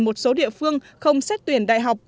một số địa phương không xét tuyển đại học